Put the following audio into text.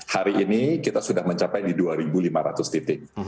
hari ini kita sudah mencapai di dua lima ratus titik